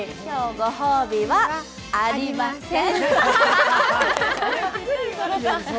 ご褒美は、ありません。